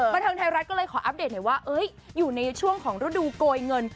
บันเทิงไทยรัฐก็เลยขออัปเดตหน่อยว่าอยู่ในช่วงของฤดูโกยเงิน